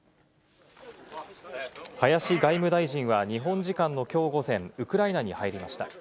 林外務大臣は、日本時間のきょう午前、ウクライナに入りました。